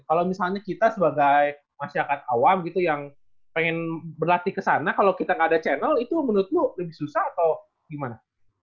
kalau misalnya kita sebagai masyarakat awam gitu yang pengen berlatih kesana kalau kita gak ada channel itu menurut lo lebih susah atau gimana